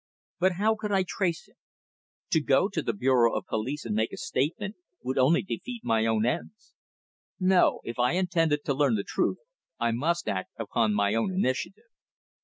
But how could I trace him? To go to the bureau of police and make a statement would only defeat my own ends. No; if I intended to learn the truth I must act upon my own initiative.